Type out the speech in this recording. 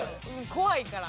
怖いから。